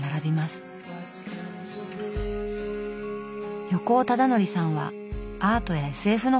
横尾忠則さんはアートやＳＦの本をおすすめ。